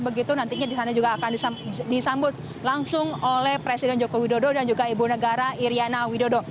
begitu nantinya di sana juga akan disambut langsung oleh presiden joko widodo dan juga ibu negara iryana widodo